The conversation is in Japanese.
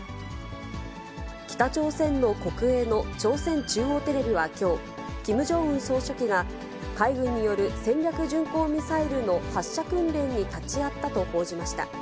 北朝鮮の国営の朝鮮中央テレビはきょう、キム・ジョンウン総書記が海軍による戦略巡航ミサイルの発射訓練に立ち会ったと報じました。